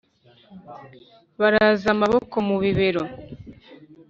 Baraza amaboko mu bibero